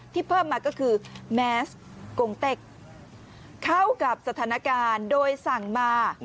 เพิ่มมาก็คือแมสกงเต็กเข้ากับสถานการณ์โดยสั่งมา